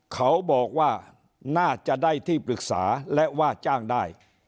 เขาบอกว่าน่าจะได้ที่ปรึกษาและว่าจ้างได้